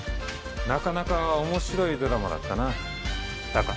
なかなか面白いドラマだったなタカ。